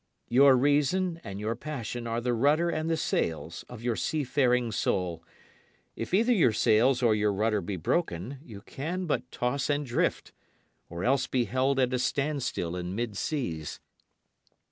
Your reason and your passion are the rudder and the sails of your seafaring soul. If either your sails or your rudder be broken, you can but toss and drift, or else be held at a standstill in mid seas.